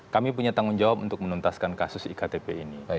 kami punya tanggung jawab untuk menuntaskan kasus iktp ini